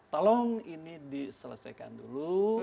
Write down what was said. tolong ini diselesaikan dulu